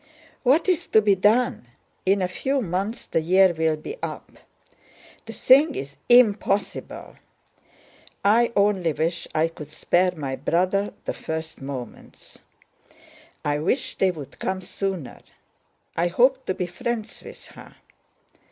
"What is to be done? In a few months the year will be up. The thing is impossible. I only wish I could spare my brother the first moments. I wish they would come sooner. I hope to be friends with her.